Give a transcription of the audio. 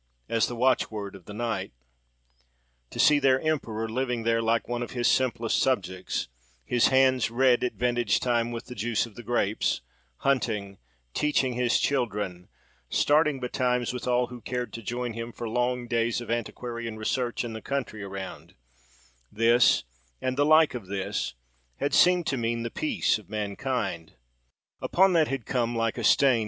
as the watchword of the night. To see their emperor living there like one of his simplest subjects, his hands red at vintage time with the juice of the grapes, hunting, teaching his children, starting betimes, with all who cared to join him, for long days of antiquarian research in the country around:—this, and the like of this, had seemed to mean the peace of mankind. Upon that had come—like a stain!